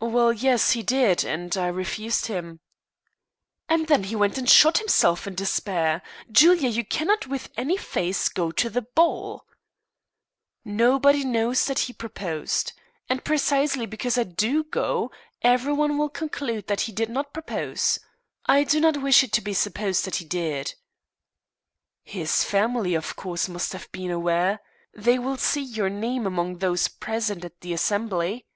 "Well yes, he did, and I refused him." "And then he went and shot himself in despair. Julia, you cannot with any face go to the ball." "Nobody knows that he proposed. And precisely because I do go everyone will conclude that he did not propose. I do not wish it to be supposed that he did." "His family, of course, must have been aware. They will see your name among those present at the assembly."